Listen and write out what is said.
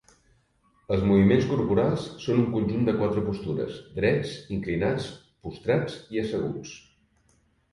Els moviments corporals són un conjunt de quatre postures: drets, inclinats, postrats i asseguts.